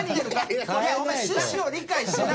いやお前趣旨を理解してない。